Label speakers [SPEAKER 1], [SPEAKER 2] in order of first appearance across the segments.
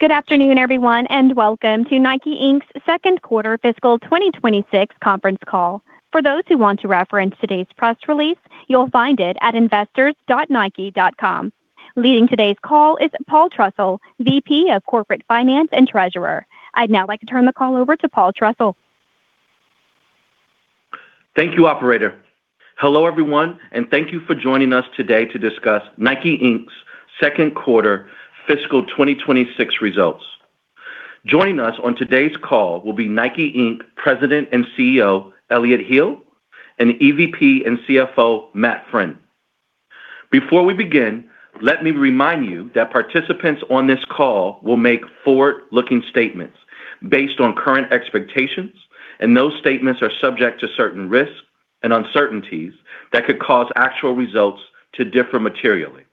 [SPEAKER 1] Good afternoon, everyone, and welcome to Nike, Inc.'s second quarter fiscal 2026 conference call. For those who want to reference today's press release, you'll find it at investors.nike.com. Leading today's call is Paul Trussell, VP of Corporate Finance and Treasurer. I'd now like to turn the call over to Paul Trussell.
[SPEAKER 2] Thank you, Operator. Hello, everyone, and thank you for joining us today to discuss Nike, Inc.'s Second Quarter Fiscal 2026 results. Joining us on today's call will be Nike, Inc. President and CEO, Elliott Hill, and EVP and CFO, Matt Friend. Before we begin, let me remind you that participants on this call will make forward-looking statements based on current expectations, and those statements are subject to certain risks and uncertainties that could cause actual results to differ materially.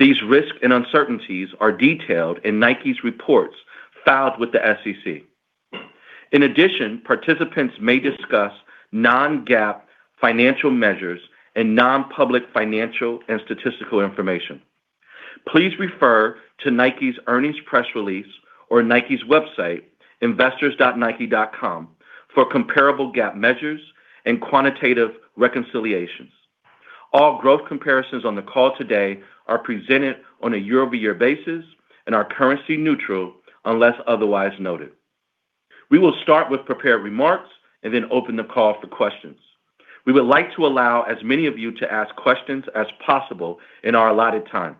[SPEAKER 2] These risks and uncertainties are detailed in Nike's reports filed with the SEC. We will start with prepared remarks and then open the call for questions. We would like to allow as many of you to ask questions as possible in our allotted time,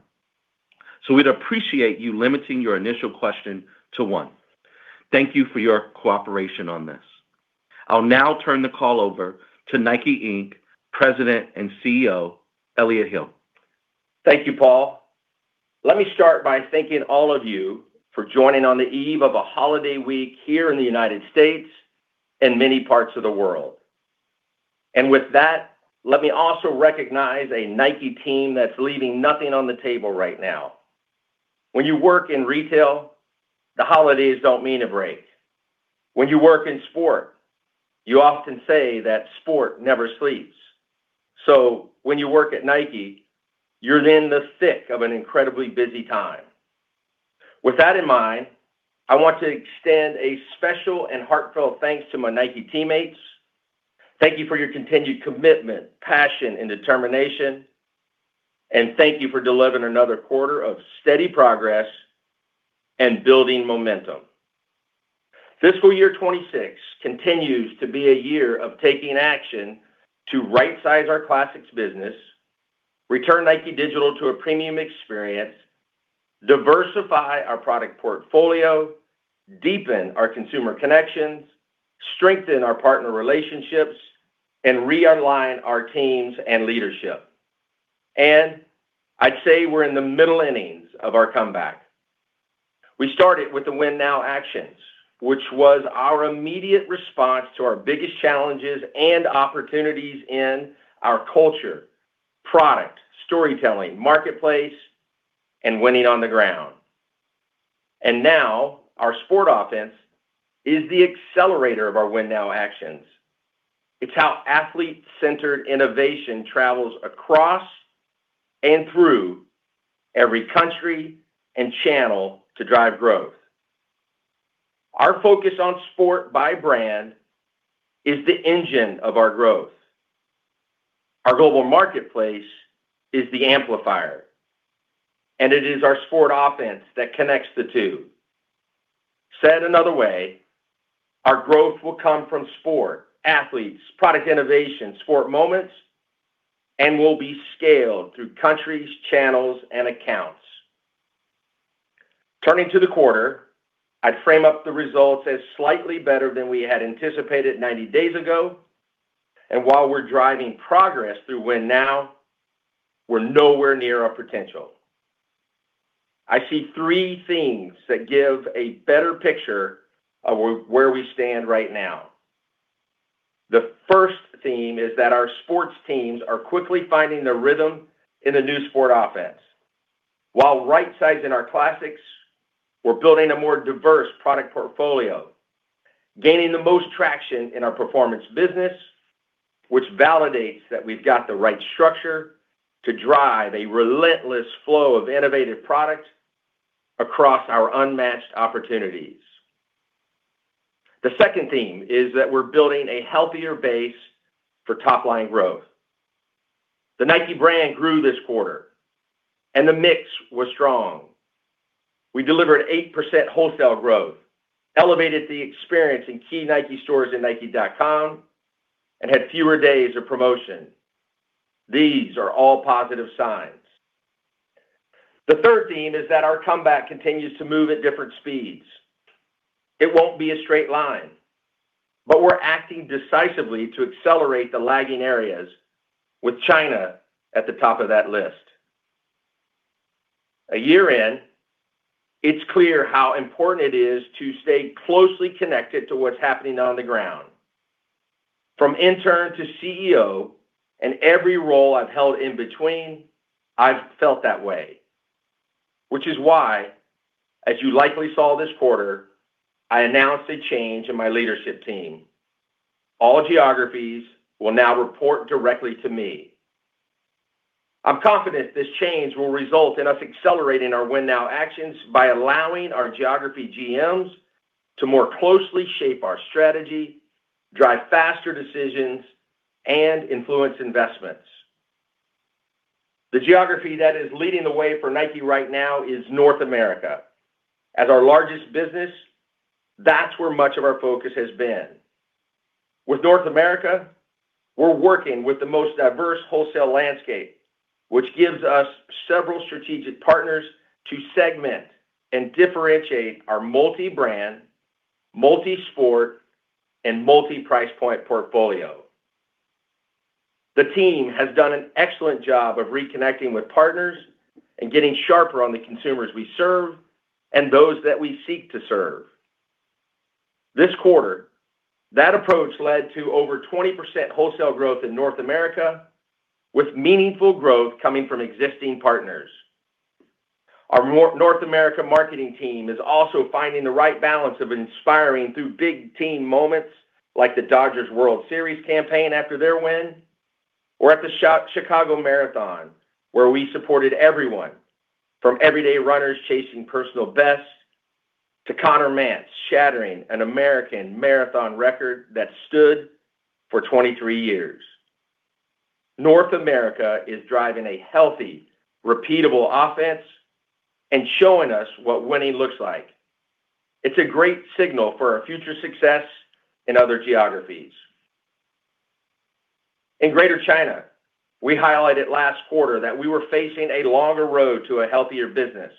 [SPEAKER 2] so we'd appreciate you limiting your initial question to one. Thank you for your cooperation on this. I'll now turn the call over to Nike Inc. President and CEO, Elliott Hill.
[SPEAKER 3] Thank you, Paul. Let me start by thanking all of you for joining on the eve of a holiday week here in the United States and many parts of the world. And with that, let me also recognize a Nike team that's leaving nothing on the table right now. When you work in retail, the holidays don't mean a break. When you work in sport, you often say that sport never sleeps. So when you work at Nike, you're in the thick of an incredibly busy time. With that in mind, I want to extend a special and heartfelt thanks to my Nike teammates. Thank you for your continued commitment, passion, and determination, and thank you for delivering another quarter of steady progress and building momentum.
[SPEAKER 2] Fiscal year 2026 continues to be a year of taking action to right-size our Classics business, return Nike Digital to a premium experience, diversify our product portfolio, deepen our consumer connections, strengthen our partner relationships, and realign our teams and leadership. And I'd say we're in the middle innings of our comeback. We started with the Win Now Actions, which was our immediate response to our biggest challenges and opportunities in our culture, product, storytelling, marketplace, and winning on the ground. And now our Sport Offense is the accelerator of our Win Now Actions. It's how athlete-centered innovation travels across and through every country and channel to drive growth. Our focus on sport by brand is the engine of our growth. Our global marketplace is the amplifier, and it is our Sport Offense that connects the two.
[SPEAKER 3] Said another way, our growth will come from sport, athletes, product innovation, sport moments, and will be scaled through countries, channels, and accounts. Turning to the quarter, I'd frame up the results as slightly better than we had anticipated 90 days ago, and while we're driving progress through Win Now, we're nowhere near our potential. I see three themes that give a better picture of where we stand right now. The first theme is that our sports teams are quickly finding their rhythm in the new Sport Offense. While right-sizing our Classics, we're building a more diverse product portfolio, gaining the most traction in our performance business, which validates that we've got the right structure to drive a relentless flow of innovative product across our unmatched opportunities. The second theme is that we're building a healthier base for top-line growth. The Nike brand grew this quarter, and the mix was strong. We delivered 8% wholesale growth, elevated the experience in key Nike stores and Nike.com, and had fewer days of promotion. These are all positive signs. The third theme is that our comeback continues to move at different speeds. It won't be a straight line, but we're acting decisively to accelerate the lagging areas, with China at the top of that list. A year in, it's clear how important it is to stay closely connected to what's happening on the ground. From intern to CEO and every role I've held in between, I've felt that way, which is why, as you likely saw this quarter, I announced a change in my leadership team. All geographies will now report directly to me. I'm confident this change will result in us accelerating our Win Now Actions by allowing our geography GMs to more closely shape our strategy, drive faster decisions, and influence investments. The geography that is leading the way for Nike right now is North America. As our largest business, that's where much of our focus has been. With North America, we're working with the most diverse wholesale landscape, which gives us several strategic partners to segment and differentiate our multi-brand, multi-sport, and multi-price point portfolio. The team has done an excellent job of reconnecting with partners and getting sharper on the consumers we serve and those that we seek to serve. This quarter, that approach led to over 20% wholesale growth in North America, with meaningful growth coming from existing partners. Our North America marketing team is also finding the right balance of inspiring through big team moments like the Dodgers World Series campaign after their win or at the Chicago Marathon, where we supported everyone, from everyday runners chasing personal bests to Conner Mantz shattering an American marathon record that stood for 23 years. North America is driving a healthy, repeatable offense and showing us what winning looks like. It's a great signal for our future success in other geographies. In Greater China, we highlighted last quarter that we were facing a longer road to a healthier business.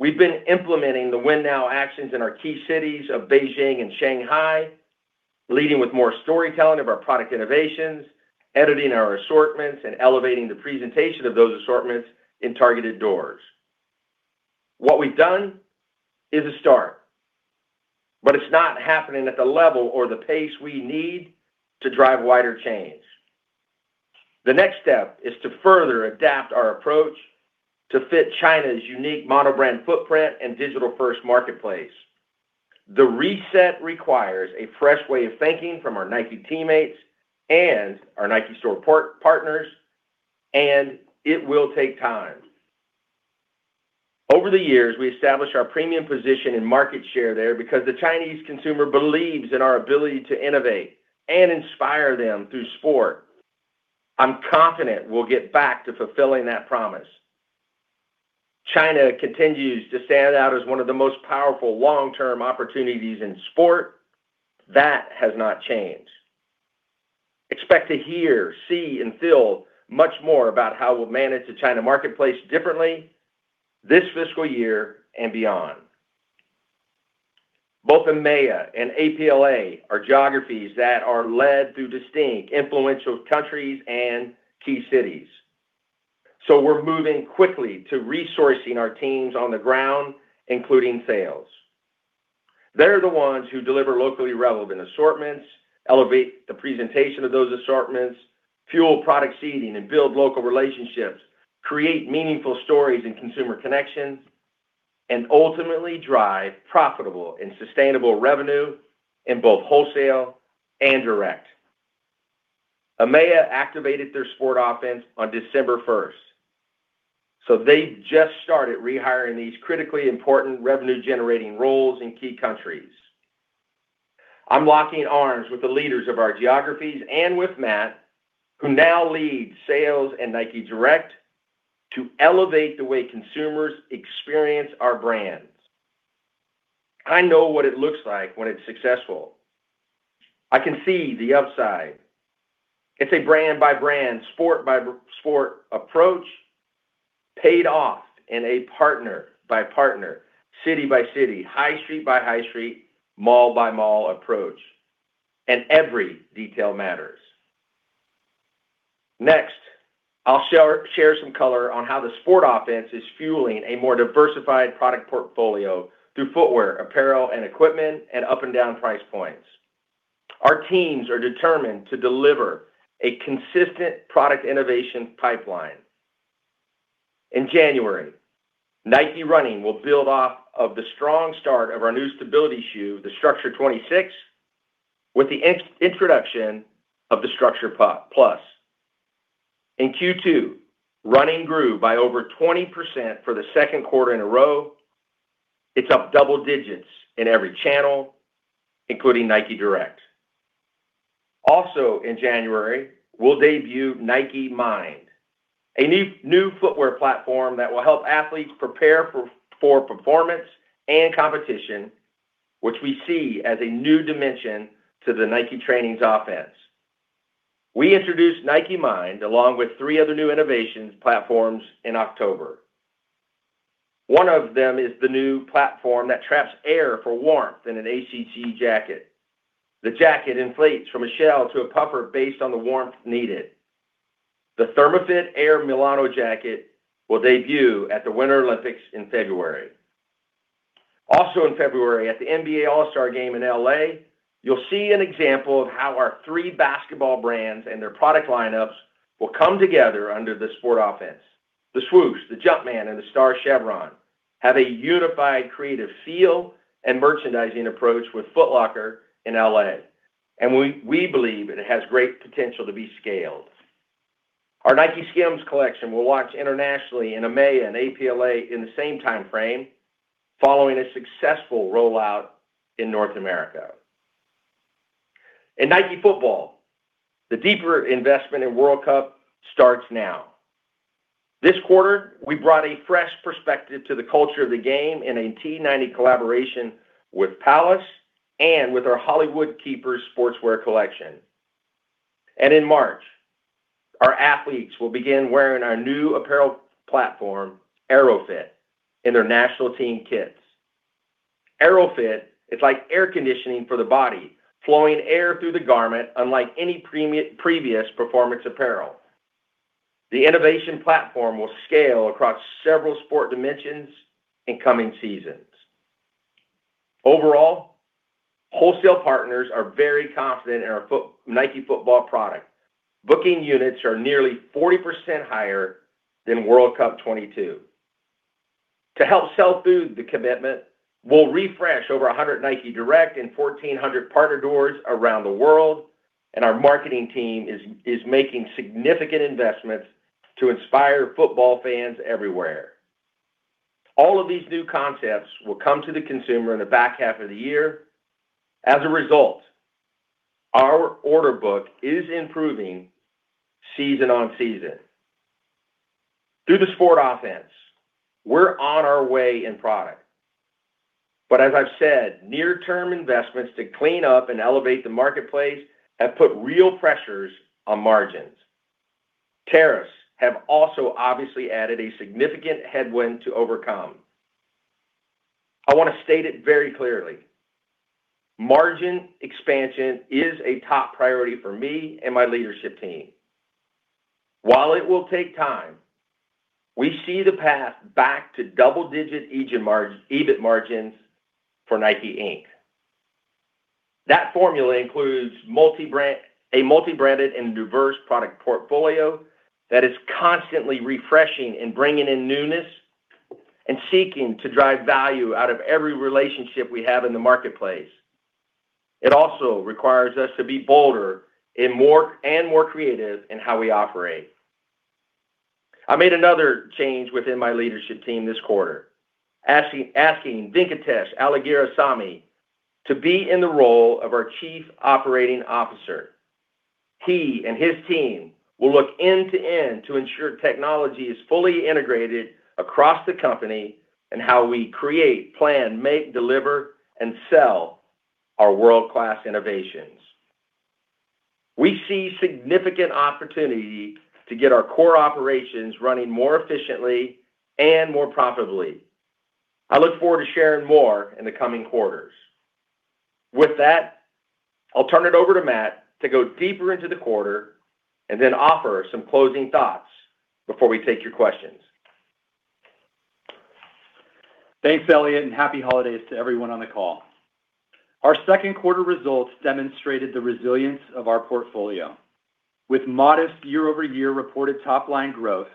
[SPEAKER 3] We've been implementing the Win Now Actions in our key cities of Beijing and Shanghai, leading with more storytelling of our product innovations, editing our assortments, and elevating the presentation of those assortments in targeted doors. What we've done is a start, but it's not happening at the level or the pace we need to drive wider change. The next step is to further adapt our approach to fit China's unique monobrand footprint and digital-first marketplace. The reset requires a fresh way of thinking from our Nike teammates and our Nike store partners, and it will take time. Over the years, we established our premium position and market share there because the Chinese consumer believes in our ability to innovate and inspire them through sport. I'm confident we'll get back to fulfilling that promise. China continues to stand out as one of the most powerful long-term opportunities in sport. That has not changed. Expect to hear, see, and feel much more about how we'll manage the China marketplace differently this fiscal year and beyond. Both EMEA and APLA are geographies that are led through distinct, influential countries and key cities. So we're moving quickly to resourcing our teams on the ground, including sales. They're the ones who deliver locally relevant assortments, elevate the presentation of those assortments, fuel product seeding and build local relationships, create meaningful stories and consumer connections, and ultimately drive profitable and sustainable revenue in both wholesale and direct. EMEA activated their sport offense on December 1st, so they just started rehiring these critically important revenue-generating roles in key countries. I'm locking arms with the leaders of our geographies and with Matt, who now leads sales and Nike Direct to elevate the way consumers experience our brands. I know what it looks like when it's successful. I can see the upside. It's a brand-by-brand, sport-by-sport approach paid off in a partner-by-partner, city-by-city, high street-by-high street, mall-by-mall approach, and every detail matters. Next, I'll share some color on how the Sport Offense is fueling a more diversified product portfolio through footwear, apparel, and equipment and up-and-down price points. Our teams are determined to deliver a consistent product innovation pipeline. In January, Nike Running will build off of the strong start of our new stability shoe, the Structure 26, with the introduction of the Structure Plus. In Q2, Running grew by over 20% for the second quarter in a row. It's up double digits in every channel, including Nike Direct. Also, in January, we'll debut Nike Mind, a new footwear platform that will help athletes prepare for performance and competition, which we see as a new dimension to the Nike Training's offense. We introduced Nike Mind along with three other new innovation platforms in October. One of them is the new platform that traps air for warmth in an ACC jacket. The jacket inflates from a shell to a puffer based on the warmth needed. The Therma-FIT Air Milano jacket will debut at the Winter Olympics in February. Also, in February, at the NBA All-Star Game in LA, you'll see an example of how our three Basketball brands and their product lineups will come together under the sport offense. The Swoosh, the Jumpman, and the Star Chevron have a unified creative feel and merchandising approach with Foot Locker in LA, and we believe it has great potential to be scaled. Our NikeSKIMS collection will launch internationally in EMEA and APLA in the same timeframe, following a successful rollout in North America. In Nike football, the deeper investment in World Cup starts now. This quarter, we brought a fresh perspective to the culture of the game in a Total 90 collaboration with Palace and with our Hollywood Keepers sportswear collection. In March, our athletes will begin wearing our new apparel platform, AeroFit, in their national team kits. AeroFit is like air conditioning for the body, flowing air through the garment unlike any previous performance apparel. The innovation platform will scale across several sport dimensions in coming seasons. Overall, wholesale partners are very confident in our Nike football product. Booking units are nearly 40% higher than World Cup 2022. To help sell through the commitment, we'll refresh over 100 Nike Direct and 1,400 partner doors around the world, and our marketing team is making significant investments to inspire football fans everywhere. All of these new concepts will come to the consumer in the back half of the year. As a result, our order book is improving season on season. Through the Sport Offense, we're on our way in product. But as I've said, near-term investments to clean up and elevate the marketplace have put real pressures on margins. Tariffs have also obviously added a significant headwind to overcome. I want to state it very clearly. Margin expansion is a top priority for me and my leadership team. While it will take time, we see the path back to double-digit EBIT margins for Nike Inc. That formula includes a multi-branded and diverse product portfolio that is constantly refreshing and bringing in newness and seeking to drive value out of every relationship we have in the marketplace. I t also requires us to be bolder and more creative in how we operate. I made another change within my leadership team this quarter, asking Venkatesh Alagirisamy to be in the role of our Chief Operating Officer. He and his team will look end-to-end to ensure technology is fully integrated across the company and how we create, plan, make, deliver, and sell our world-class innovations. We see significant opportunity to get our core operations running more efficiently and more profitably. I look forward to sharing more in the coming quarters. With that, I'll turn it over to Matt to go deeper into the quarter and then offer some closing thoughts before we take your questions.
[SPEAKER 4] Thanks, Elliott, and happy holidays to everyone on the call. Our second quarter results demonstrated the resilience of our portfolio, with modest year-over-year reported top-line growth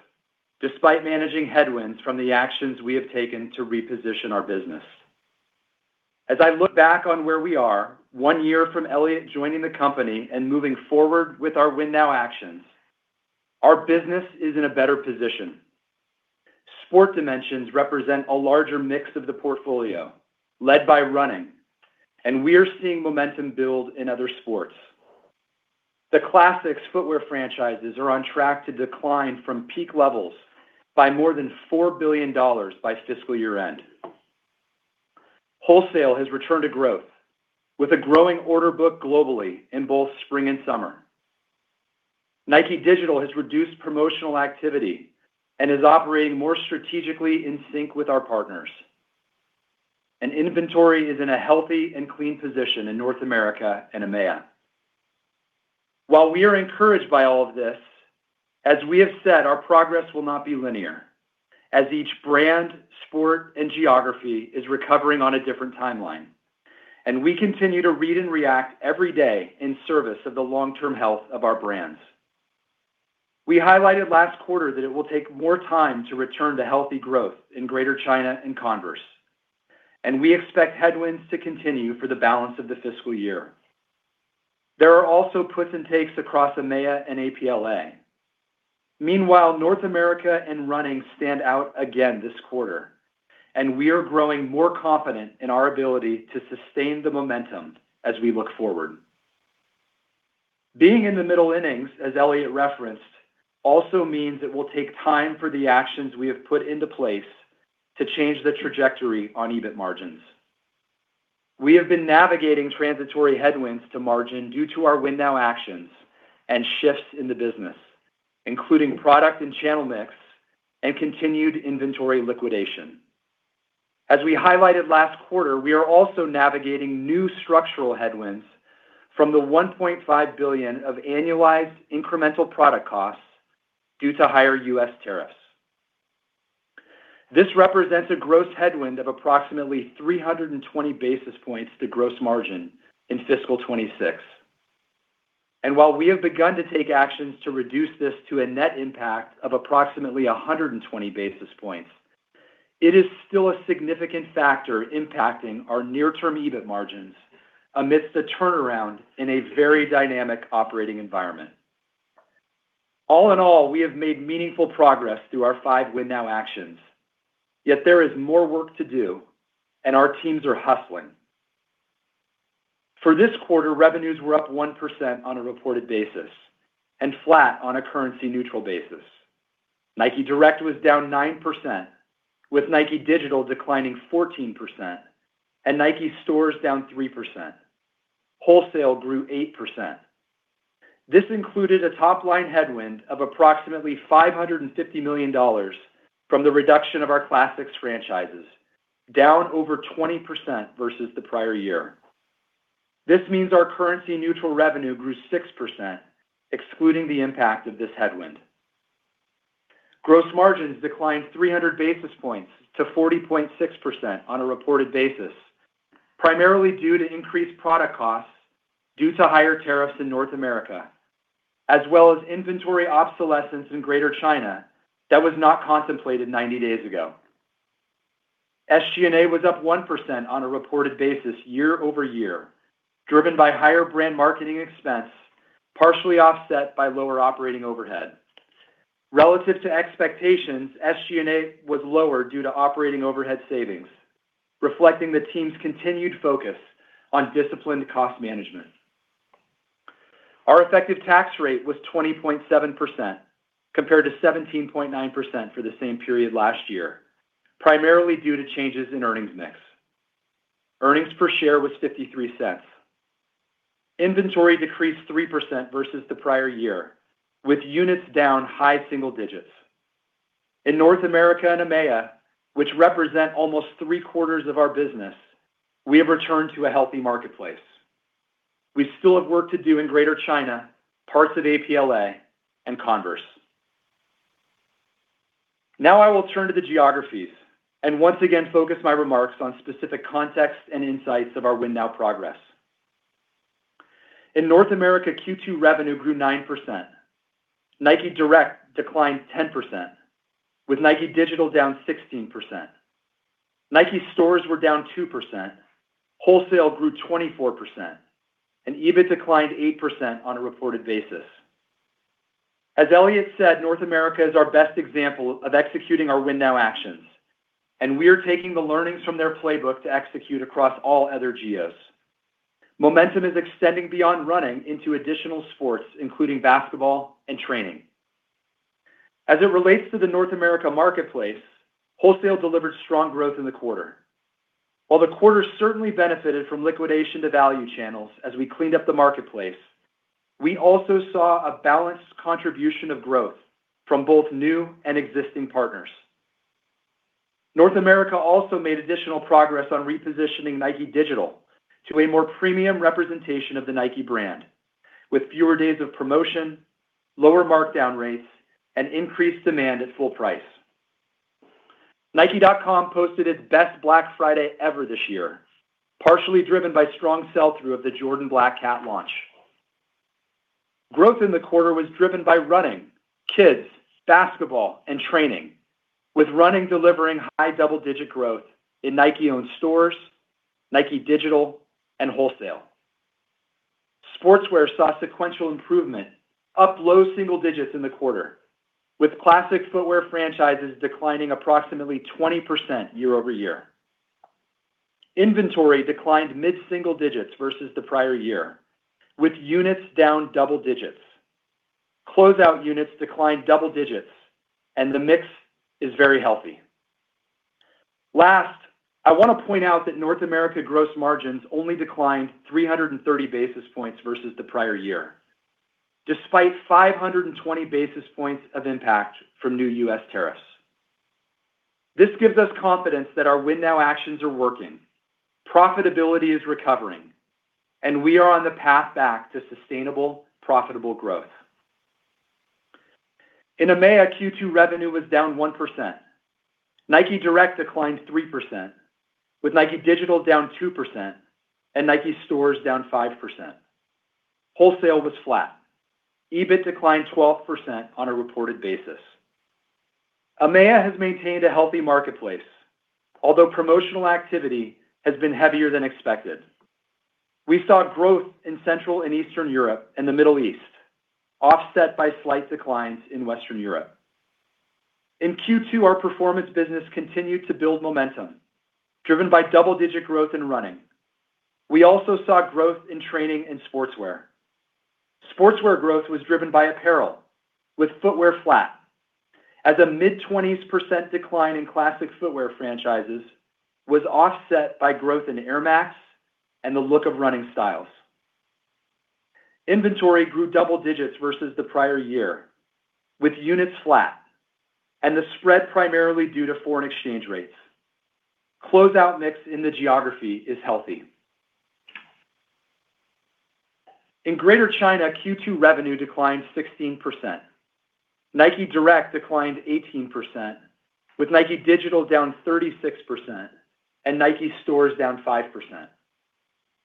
[SPEAKER 4] despite managing headwinds from the actions we have taken to reposition our business. As I look back on where we are, one year from Elliott joining the company and moving forward with our Win Now Actions, our business is in a better position. Sport dimensions represent a larger mix of the portfolio led by Running, and we are seeing momentum build in other sports. The classic footwear franchises are on track to decline from peak levels by more than $4 billion by fiscal year-end. Wholesale has returned to growth, with a growing order book globally in both spring and summer. Nike Digital has reduced promotional activity and is operating more strategically in sync with our partners. And inventory is in a healthy and clean position in North America and EMEA. While we are encouraged by all of this, as we have said, our progress will not be linear, as each brand, sport, and geography is recovering on a different timeline. And we continue to read and react every day in service of the long-term health of our brands. We highlighted last quarter that it will take more time to return to healthy growth in Greater China and Converse, and we expect headwinds to continue for the balance of the fiscal year. There are also puts and takes across EMEA and APLA. Meanwhile, North America and Running stand out again this quarter, and we are growing more confident in our ability to sustain the momentum as we look forward. Being in the middle innings, as Elliott referenced, also means it will take time for the actions we have put into place to change the trajectory on EBIT margins. We have been navigating transitory headwinds to margin due to our Win Now Actions and shifts in the business, including product and channel mix and continued inventory liquidation. As we highlighted last quarter, we are also navigating new structural headwinds from the $1.5 billion of annualized incremental product costs due to higher U.S. tariffs. This represents a gross headwind of approximately 320 basis points to gross margin in fiscal 2026, and while we have begun to take actions to reduce this to a net impact of approximately 120 basis points, it is still a significant factor impacting our near-term EBIT margins amidst a turnaround in a very dynamic operating environment. All in all, we have made meaningful progress through our five Win Now Actions, yet there is more work to do, and our teams are hustling. For this quarter, revenues were up 1% on a reported basis and flat on a currency-neutral basis. Nike Direct was down 9%, with Nike Digital declining 14%, and Nike Stores down 3%. Wholesale grew 8%. This included a top-line headwind of approximately $550 million from the reduction of our classic franchises, down over 20% versus the prior year. This means our currency-neutral revenue grew 6%, excluding the impact of this headwind. Gross margins declined 300 basis points to 40.6% on a reported basis, primarily due to increased product costs due to higher tariffs in North America, as well as inventory obsolescence in Greater China that was not contemplated 90 days ago. SG&A was up 1% on a reported basis year-over-year, driven by higher brand marketing expense, partially offset by lower operating overhead. Relative to expectations, SG&A was lower due to operating overhead savings, reflecting the team's continued focus on disciplined cost management. Our effective tax rate was 20.7% compared to 17.9% for the same period last year, primarily due to changes in earnings mix. Earnings per share was $0.53. Inventory decreased 3% versus the prior year, with units down high single digits. In North America and EMEA, which represent almost three-quarters of our business, we have returned to a healthy marketplace. We still have work to do in Greater China, parts of APLA, and Converse. Now I will turn to the geographies and once again focus my remarks on specific context and insights of our Win Now progress. In North America, Q2 revenue grew 9%. Nike Direct declined 10%, with Nike Digital down 16%. Nike Stores were down 2%. Wholesale grew 24%, and EBIT declined 8% on a reported basis. As Elliott said, North America is our best example of executing our Win Now Actions, and we are taking the learnings from their playbook to execute across all other geos. Momentum is extending beyond Running into additional sports, including Basketball and training. As it relates to the North America marketplace, wholesale delivered strong growth in the quarter. While the quarter certainly benefited from liquidation to value channels as we cleaned up the marketplace, we also saw a balanced contribution of growth from both new and existing partners. North America also made additional progress on repositioning Nike Digital to a more premium representation of the Nike brand, with fewer days of promotion, lower markdown rates, and increased demand at full price. Nike.com posted its best Black Friday ever this year, partially driven by strong sell-through of the Jordan Black Cat launch. Growth in the quarter was driven by Running, Kids, Basketball, and training, with Running delivering high double-digit growth in Nike-owned stores, Nike Digital, and wholesale. Sportswear saw sequential improvement, up low single digits in the quarter, with classic footwear franchises declining approximately 20% year-over-year. Inventory declined mid-single digits versus the prior year, with units down double digits. Closeout units declined double digits, and the mix is very healthy. Last, I want to point out that North America gross margins only declined 330 basis points versus the prior year, despite 520 basis points of impact from new U.S. tariffs. This gives us confidence that our Win Now Actions are working, profitability is recovering, and we are on the path back to sustainable, profitable growth. In EMEA, Q2 revenue was down 1%. Nike Direct declined 3%, with Nike Digital down 2% and Nike Stores down 5%. Wholesale was flat. EBIT declined 12% on a reported basis. EMEA has maintained a healthy marketplace, although promotional activity has been heavier than expected. We saw growth in Central and Eastern Europe and the Middle East, offset by slight declines in Western Europe. In Q2, our performance business continued to build momentum, driven by double-digit growth in Running. We also saw growth in training and sportswear. Sportswear growth was driven by apparel, with footwear flat, as a mid-20% decline in classic footwear franchises was offset by growth in Air Max and the lifestyle of Running styles. Inventory grew double digits versus the prior year, with units flat, and the spread primarily due to foreign exchange rates. Closeout mix in the geography is healthy. In Greater China, Q2 revenue declined 16%. Nike Direct declined 18%, with Nike Digital down 36% and Nike Stores down 5%.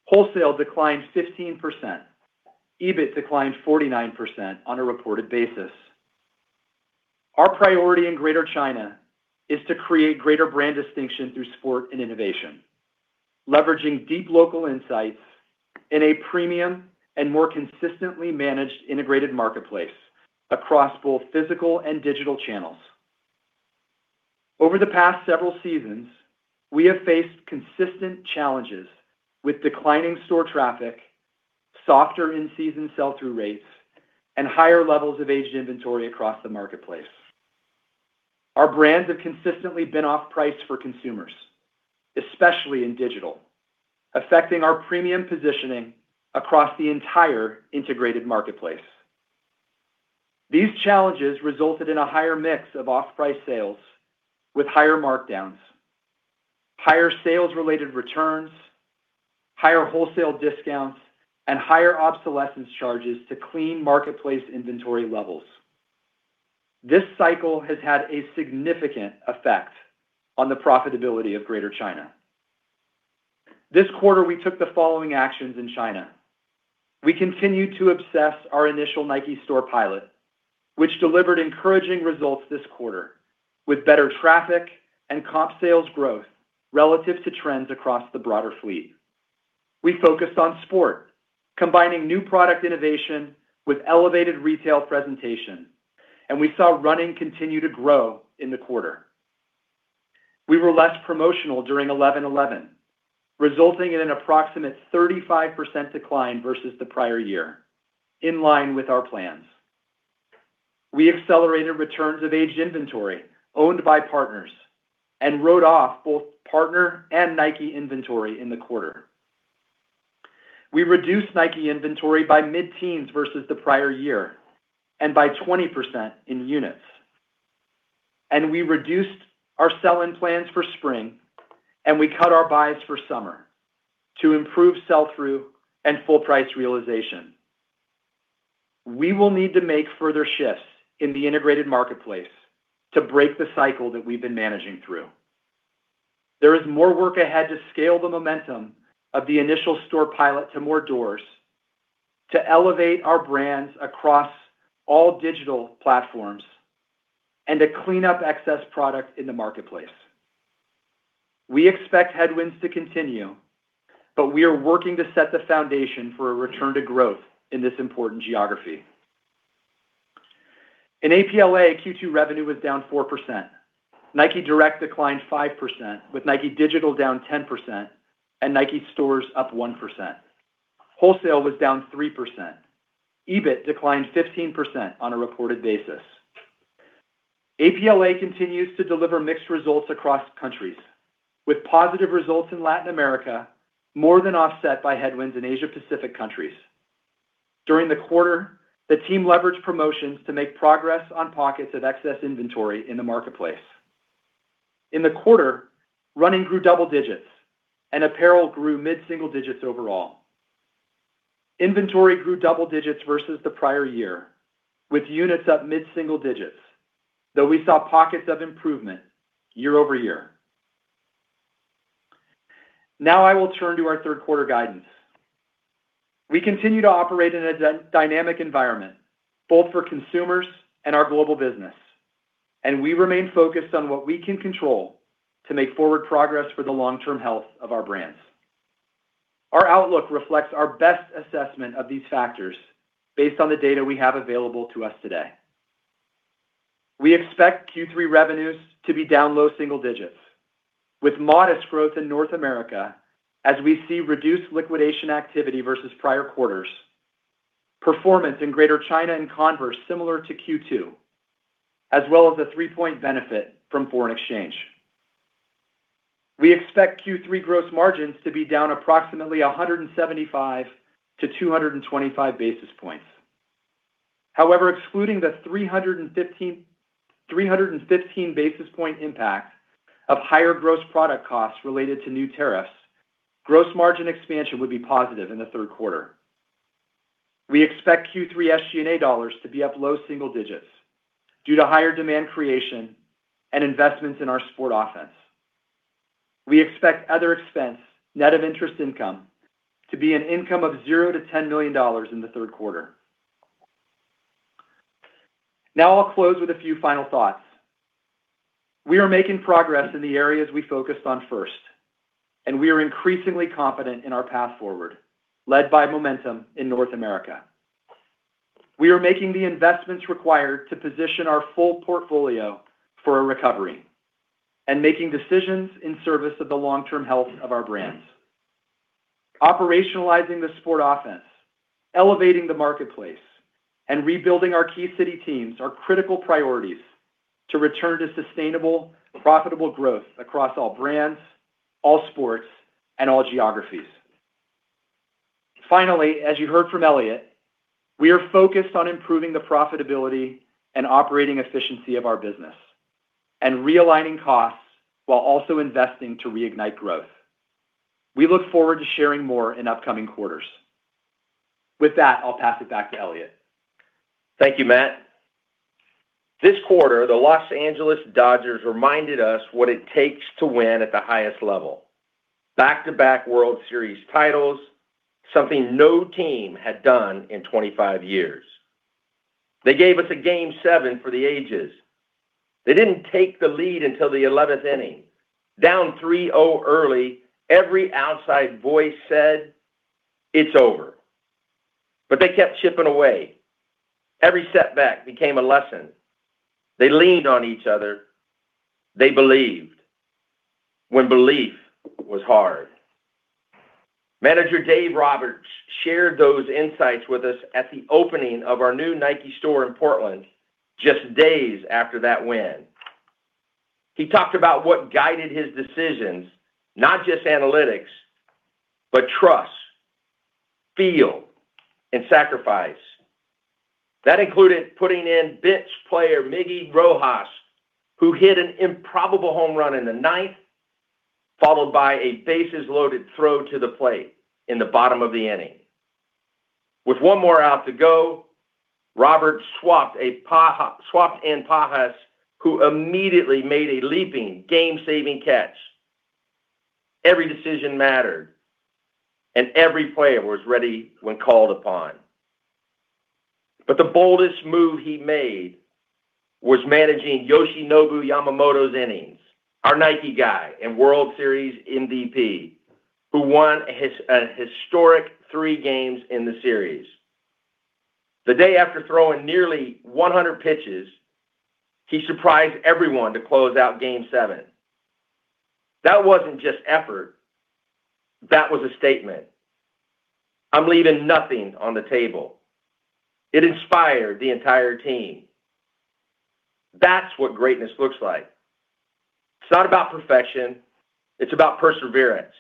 [SPEAKER 4] Wholesale declined 15%. EBIT declined 49% on a reported basis. Our priority in Greater China is to create greater brand distinction through sport and innovation, leveraging deep local insights in a premium and more consistently managed integrated marketplace across both physical and digital channels. Over the past several seasons, we have faced consistent challenges with declining store traffic, softer in-season sell-through rates, and higher levels of aged inventory across the marketplace. Our brands have consistently been off price for consumers, especially in digital, affecting our premium positioning across the entire integrated marketplace. These challenges resulted in a higher mix of off-price sales with higher markdowns, higher sales-related returns, higher wholesale discounts, and higher obsolescence charges to clean marketplace inventory levels. This cycle has had a significant effect on the profitability of Greater China. This quarter, we took the following actions in China. We continued to assess our initial Nike Store pilot, which delivered encouraging results this quarter, with better traffic and comp sales growth relative to trends across the broader fleet. We focused on sport, combining new product innovation with elevated retail presentation, and we saw Running continue to grow in the quarter. We were less promotional during 11/11, resulting in an approximate 35% decline versus the prior year, in line with our plans. We accelerated returns of aged inventory owned by partners and wrote off both partner and Nike inventory in the quarter. We reduced Nike inventory by mid-teens versus the prior year and by 20% in units, and we reduced our sell-in plans for spring, and we cut our buys for summer to improve sell-through and full-price realization. We will need to make further shifts in the integrated marketplace to break the cycle that we've been managing through. There is more work ahead to scale the momentum of the initial store pilot to more doors, to elevate our brands across all digital platforms, and to clean up excess product in the marketplace. We expect headwinds to continue, but we are working to set the foundation for a return to growth in this important geography. In APLA, Q2 revenue was down 4%. Nike Direct declined 5%, with Nike Digital down 10% and Nike Stores up 1%. Wholesale was down 3%. EBIT declined 15% on a reported basis. APLA continues to deliver mixed results across countries, with positive results in Latin America, more than offset by headwinds in Asia-Pacific countries. During the quarter, the team leveraged promotions to make progress on pockets of excess inventory in the marketplace. In the quarter, Running grew double digits, and apparel grew mid-single digits overall. Inventory grew double digits versus the prior year, with units up mid-single digits, though we saw pockets of improvement year-over-year. Now I will turn to our third-quarter guidance. We continue to operate in a dynamic environment, both for consumers and our global business, and we remain focused on what we can control to make forward progress for the long-term health of our brands. Our outlook reflects our best assessment of these factors based on the data we have available to us today. We expect Q3 revenues to be down low single digits, with modest growth in North America as we see reduced liquidation activity versus prior quarters, performance in Greater China and Converse similar to Q2, as well as a three-point benefit from foreign exchange. We expect Q3 gross margins to be down approximately 175-225 basis points. However, excluding the 315 basis point impact of higher gross product costs related to new tariffs, gross margin expansion would be positive in the third quarter. We expect Q3 SG&A dollars to be up low single digits due to higher demand creation and investments in our sport offense. We expect other expense, net of interest income, to be an income of $0-$10 million in the third quarter. Now I'll close with a few final thoughts. We are making progress in the areas we focused on first, and we are increasingly confident in our path forward, led by momentum in North America. We are making the investments required to position our full portfolio for a recovery and making decisions in service of the long-term health of our brands. Operationalizing the Sport Offense, elevating the marketplace, and rebuilding our key city teams are critical priorities to return to sustainable, profitable growth across all brands, all sports, and all geographies. Finally, as you heard from Elliott, we are focused on improving the profitability and operating efficiency of our business and realigning costs while also investing to reignite growth. We look forward to sharing more in upcoming quarters. With that, I'll pass it back to Elliott.
[SPEAKER 3] Thank you, Matt. This quarter, the Los Angeles Dodgers reminded us what it takes to win at the highest level: back-to-back World Series titles, something no team had done in 25 years. They gave us a game seven for the ages. They didn't take the lead until the 11th inning. Down 3-0 early, every outside voice said, "It's over." But they kept chipping away. Every setback became a lesson. They leaned on each other.
[SPEAKER 4] They believed when belief was hard. Manager Dave Roberts shared those insights with us at the opening of our new Nike store in Portland, just days after that win. He talked about what guided his decisions, not just analytics, but trust, feel, and sacrifice. That included putting in bench player Miggy Rojas, who hit an improbable home run in the ninth, followed by a bases-loaded throw to the plate in the bottom of the inning. With one more out to go, Roberts swapped in Pages, who immediately made a leaping, game-saving catch. Every decision mattered, and every player was ready when called upon. But the boldest move he made was managing Yoshinobu Yamamoto's innings, our Nike guy and World Series MVP, who won a historic three games in the series. The day after throwing nearly 100 pitches, he surprised everyone to close out game seven. That wasn't just effort.
[SPEAKER 3] That was a statement. "I'm leaving nothing on the table." It inspired the entire team. That's what greatness looks like. It's not about perfection. It's about perseverance.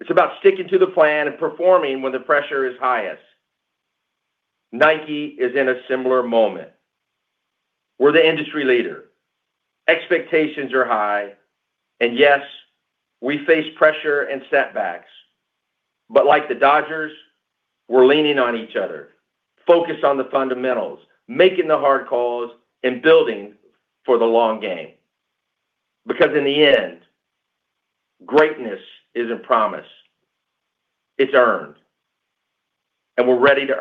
[SPEAKER 3] It's about sticking to the plan and performing when the pressure is highest. Nike is in a similar moment. We're the industry leader. Expectations are high. And yes, we face pressure and setbacks. But like the Dodgers, we're leaning on each other, focused on the fundamentals, making the hard calls, and building for the long game. Because in the end, greatness isn't promised. It's earned. And we're ready to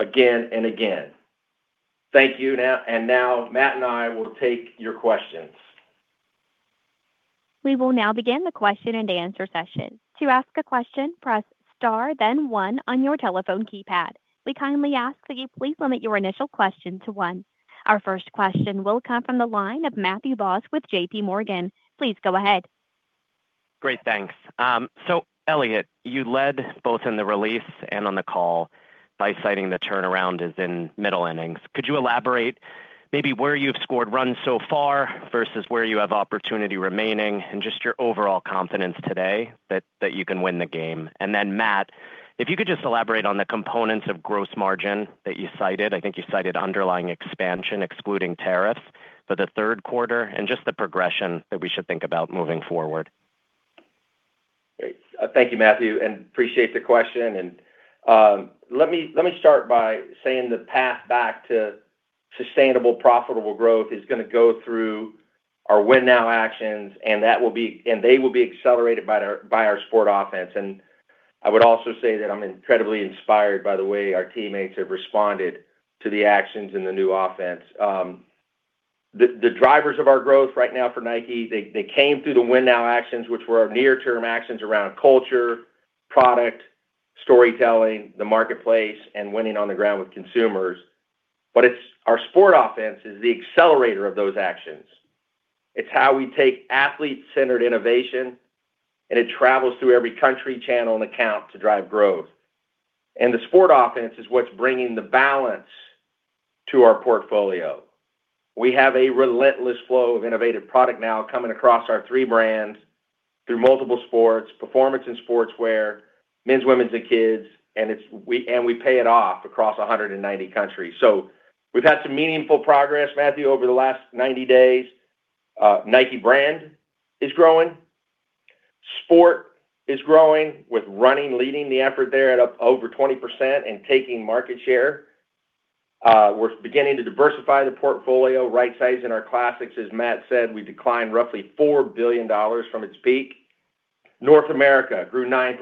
[SPEAKER 3] earn it again and again. Thank you. And now, Matt and I will take your questions.
[SPEAKER 1] We will now begin the question-and-answer session. To ask a question, press star, then one on your telephone keypad. We kindly ask that you please limit your initial question to one. Our first question will come from the line of Matthew Boss with J.P. Morgan. Please go ahead.
[SPEAKER 5] Great. Thanks. So Elliott, you led both in the release and on the call by citing the turnarounds in middle innings. Could you elaborate maybe where you've scored runs so far versus where you have opportunity remaining and just your overall confidence today that you can win the game? And then Matt, if you could just elaborate on the components of gross margin that you cited. I think you cited underlying expansion, excluding tariffs, for the third quarter and just the progression that we should think about moving forward.
[SPEAKER 3] Great. Thank you, Matthew. And appreciate the question. And let me start by saying the path back to sustainable, profitable growth is going to go through our Win Now Actions, and they will be accelerated by our Sport Offense. And I would also say that I'm incredibly inspired by the way our teammates have responded to the actions in the new offense. The drivers of our growth right now for Nike, they came through the win-now actions, which were near-term actions around culture, product, storytelling, the marketplace, and winning on the ground with consumers. But our sport offense is the accelerator of those actions. It's how we take athlete-centered innovation, and it travels through every country channel and account to drive growth. And the sport offense is what's bringing the balance to our portfolio. We have a relentless flow of innovative product now coming across our three brands through multiple sports, performance and sportswear, Men's and Women's and Kids, and we pay it off across 190 countries. So we've had some meaningful progress, Matthew, over the last 90 days. Nike brand is growing. Sport is growing with Running leading the effort there at over 20% and taking market share. We're beginning to diversify the portfolio. Right-sizing our classics, as Matt said, we declined roughly $4 billion from its peak. North America grew 9%.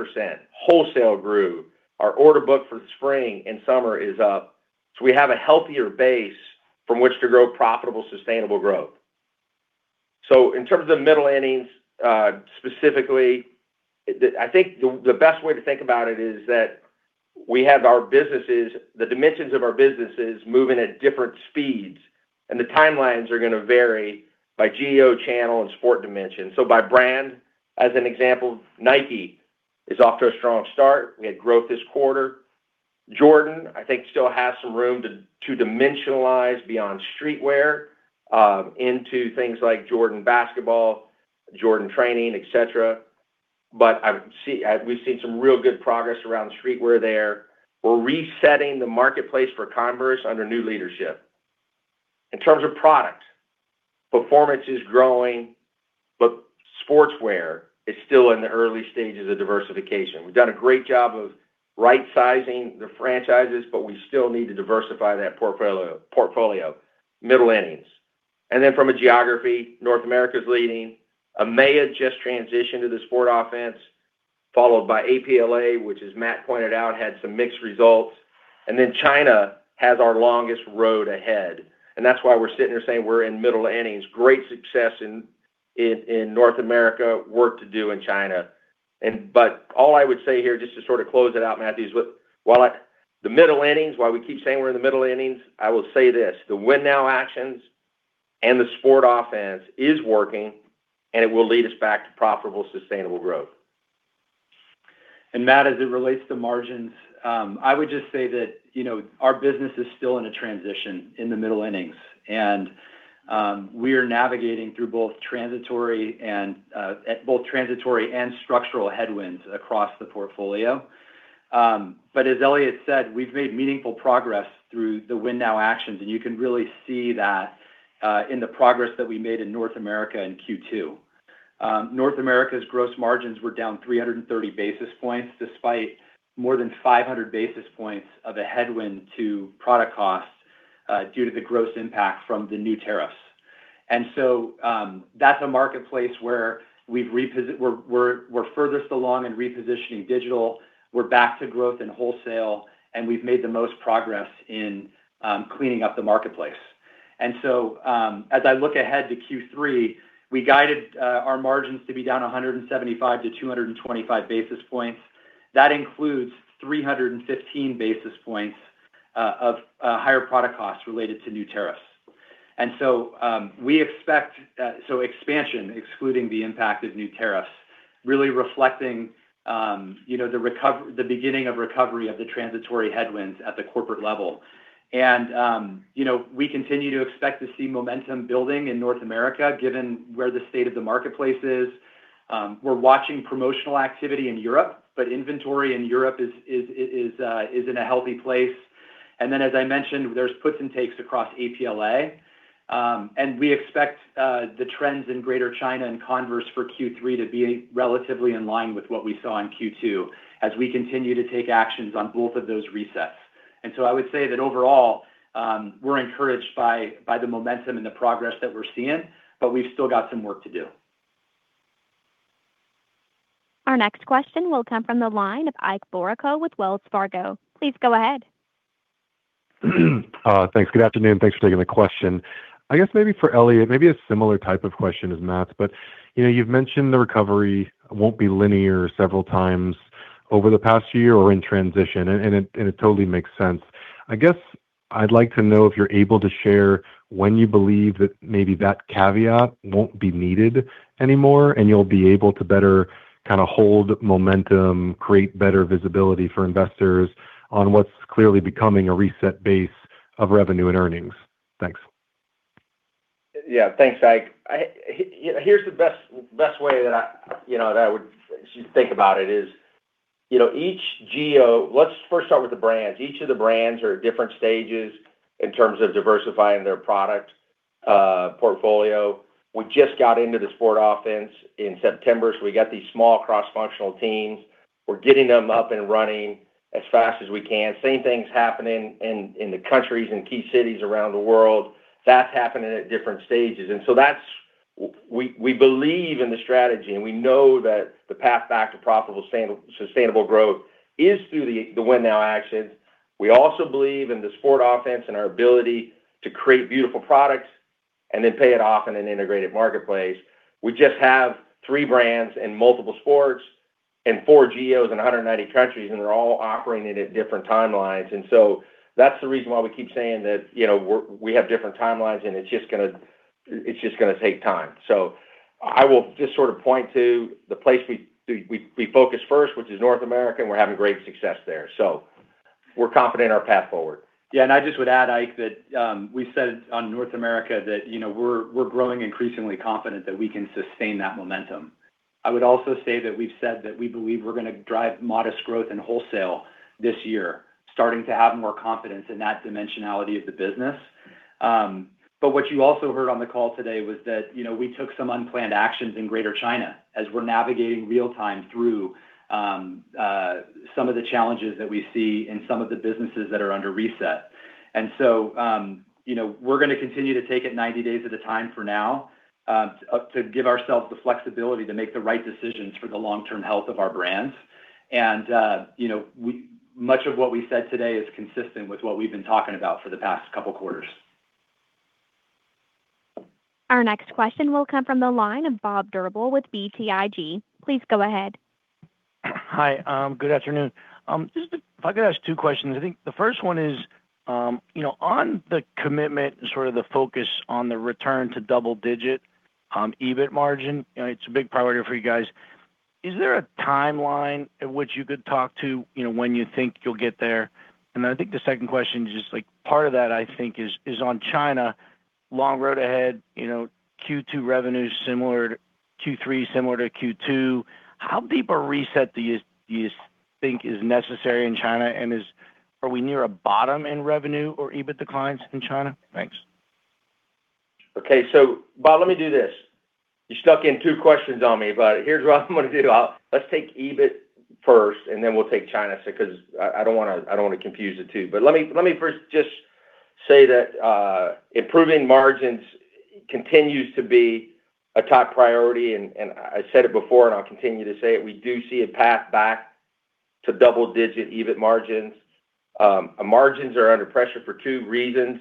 [SPEAKER 3] Wholesale grew. Our order book for spring and summer is up. So we have a healthier base from which to grow profitable, sustainable growth. So in terms of the middle innings specifically, I think the best way to think about it is that we have our businesses, the dimensions of our businesses moving at different speeds, and the timelines are going to vary by geo channel and sport dimension. So by brand, as an example, Nike is off to a strong start. We had growth this quarter. Jordan, I think, still has some room to dimensionalize beyond streetwear into things like Jordan Basketball, Jordan training, etc. But we've seen some real good progress around streetwear there. We're resetting the marketplace for Converse under new leadership. In terms of product, performance is growing, but sportswear is still in the early stages of diversification. We've done a great job of right-sizing the franchises, but we still need to diversify that portfolio: middle innings. And then from a geography, North America is leading. EMEA just transitioned to the Sport Offense, followed by APLA, which, as Matt pointed out, had some mixed results. And then China has our longest road ahead. And that's why we're sitting here saying we're in middle innings. Great success in North America, work to do in China. But all I would say here, just to sort of close it out, Matthew, is while the middle innings, while we keep saying we're in the middle innings, I will say this: the Win Now Actions and the Sport Offense are working, and it will lead us back to profitable, sustainable growth. And Matt, as it relates to margins, I would just say that our business is still in a transition in the middle innings. And we are navigating through both transitory and structural headwinds across the portfolio. But as Elliott said, we've made meaningful progress through the Win Now Actions. And you can really see that in the progress that we made in North America in Q2. North America's gross margins were down 330 basis points despite more than 500 basis points of a headwind to product costs due to the gross impact from the new tariffs.
[SPEAKER 4] That's a marketplace where we're furthest along in repositioning digital. We're back to growth and wholesale, and we've made the most progress in cleaning up the marketplace. As I look ahead to Q3, we guided our margins to be down 175-225 basis points. That includes 315 basis points of higher product costs related to new tariffs. We expect expansion, excluding the impact of new tariffs, really reflecting the beginning of recovery of the transitory headwinds at the corporate level. We continue to expect to see momentum building in North America given where the state of the marketplace is. We're watching promotional activity in Europe, but inventory in Europe is in a healthy place. As I mentioned, there's puts and takes across APLA. And we expect the trends in Greater China and Converse for Q3 to be relatively in line with what we saw in Q2 as we continue to take actions on both of those resets. And so I would say that overall, we're encouraged by the momentum and the progress that we're seeing, but we've still got some work to do.
[SPEAKER 1] Our next question will come from the line of Ike Boruchow with Wells Fargo. Please go ahead.
[SPEAKER 6] Thanks. Good afternoon. Thanks for taking the question. I guess maybe for Elliott, maybe a similar type of question as Matt's. But you've mentioned the recovery won't be linear several times over the past year or in transition. And it totally makes sense. I guess I'd like to know if you're able to share when you believe that maybe that caveat won't be needed anymore and you'll be able to better kind of hold momentum, create better visibility for investors on what's clearly becoming a reset base of revenue and earnings. Thanks.
[SPEAKER 3] Yeah. Thanks, Ike. Here's the best way that I would think about it is each geo. Let's first start with the brands. Each of the brands are at different stages in terms of diversifying their product portfolio. We just got into the sport offense in September. So we got these small cross-functional teams. We're getting them up and running as fast as we can. Same thing's happening in the countries and key cities around the world. That's happening at different stages. We believe in the strategy, and we know that the path back to profitable, sustainable growth is through the win-now actions. We also believe in the sport offense and our ability to create beautiful products and then pay it off in an integrated marketplace. We just have three brands in multiple sports and four geos in 190 countries, and they're all operating at different timelines. That's the reason why we keep saying that we have different timelines, and it's just going to take time. I will just sort of point to the place we focus first, which is North America, and we're having great success there. We're confident in our path forward.
[SPEAKER 4] Yeah. I just would add, Ike, that we said on North America that we're growing increasingly confident that we can sustain that momentum. I would also say that we've said that we believe we're going to drive modest growth in wholesale this year, starting to have more confidence in that dimensionality of the business. But what you also heard on the call today was that we took some unplanned actions in Greater China as we're navigating real-time through some of the challenges that we see in some of the businesses that are under reset. And so we're going to continue to take it 90 days at a time for now to give ourselves the flexibility to make the right decisions for the long-term health of our brands. And much of what we said today is consistent with what we've been talking about for the past couple of quarters.
[SPEAKER 1] Our next question will come from the line of Bob Drbul with BTIG. Please go ahead.
[SPEAKER 7] Hi. Good afternoon. Just if I could ask two questions. I think the first one is on the commitment and sort of the focus on the return to double-digit EBIT margin, it's a big priority for you guys. Is there a timeline at which you could talk to when you think you'll get there? And then I think the second question is just part of that, I think, is on China, long road ahead, Q2 revenue similar to Q3, similar to Q2. How deep a reset do you think is necessary in China? And are we near a bottom in revenue or EBIT declines in China? Thanks.
[SPEAKER 3] Okay. So Bob, let me do this. You're stuck in two questions on me, but here's what I'm going to do. Let's take EBIT first, and then we'll take China because I don't want to confuse the two. But let me first just say that improving margins continues to be a top priority. And I said it before, and I'll continue to say it. We do see a path back to double-digit EBIT margins. Our margins are under pressure for two reasons.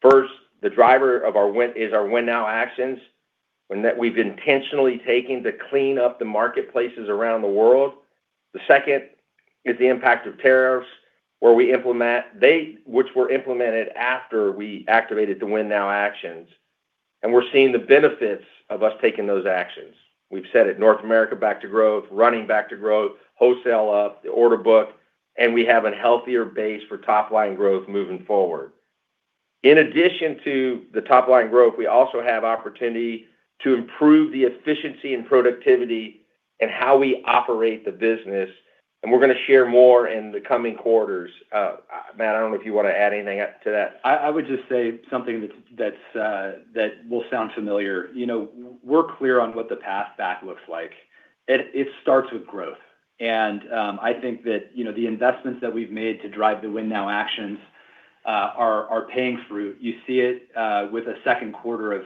[SPEAKER 3] First, the driver of our Win Now Actions is that we've intentionally taken to clean up the marketplaces around the world. The second is the impact of tariffs, which were implemented after we activated the Win Now Actions. And we're seeing the benefits of us taking those actions. We've said it: North America back to growth, running back to growth, wholesale up, the order book, and we have a healthier base for top-line growth moving forward. In addition to the top-line growth, we also have opportunity to improve the efficiency and productivity and how we operate the business, and we're going to share more in the coming quarters. Matt, I don't know if you want to add anything to that.
[SPEAKER 4] I would just say something that will sound familiar. We're clear on what the path back looks like. It starts with growth. And I think that the investments that we've made to drive the win-now actions are paying fruit. You see it with a second quarter